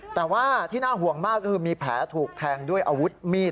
แต่ว่าที่น่าห่วงมากก็คือมีแผลถูกแทงด้วยอาวุธมีด